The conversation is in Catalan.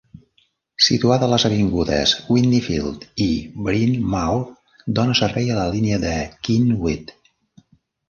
Situada a les avingudes Wynnefield i Bryn Mawr, dona servei a la línia de Cynwyd.